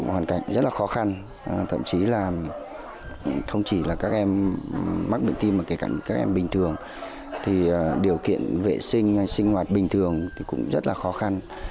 hoàn cảnh rất là khó khăn thậm chí là không chỉ là các em mắc bệnh tim mà kể cả các em bình thường thì điều kiện vệ sinh hay sinh hoạt bình thường thì cũng rất là khó khăn